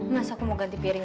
masa aku mau ganti piring